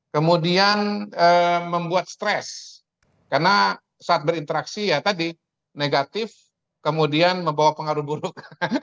kemudian membuat stres karena saat berinteraksi ya tadi negatif kemudian membawa pengaruh buruk